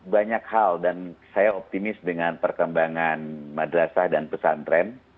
banyak hal dan saya optimis dengan perkembangan madrasah dan pesantren